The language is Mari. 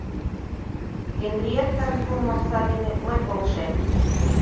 Генриеттан пуымо окса дене мый полшем.